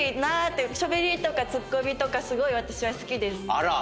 あら！